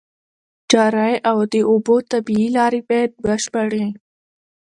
چرۍ او د اوبو طبيعي لاري بايد بشپړي